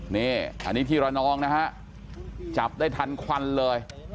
นี่อันนี้ที่ระนองนะฮะจับได้ทันควันเลย